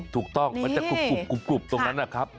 ถูกต้องมันจะกรุบนั้นน่ะคำ